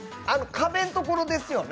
壁のところですよね。